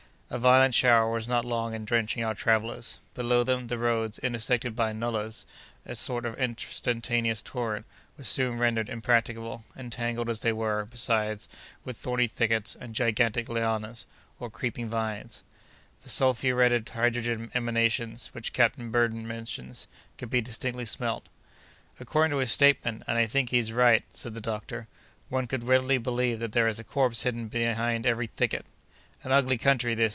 A violent shower was not long in drenching our travellers. Below them, the roads, intersected by "nullahs," a sort of instantaneous torrent, were soon rendered impracticable, entangled as they were, besides, with thorny thickets and gigantic lianas, or creeping vines. The sulphuretted hydrogen emanations, which Captain Burton mentions, could be distinctly smelt. "According to his statement, and I think he's right," said the doctor, "one could readily believe that there is a corpse hidden behind every thicket." "An ugly country this!"